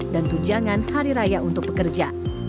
dan tujangan hari raya untuk pekerja